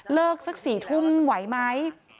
เลิกสัก๔ทุ่มไหวไหม